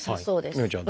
美帆ちゃん。